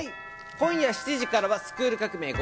今夜７時からは『スクール革命！』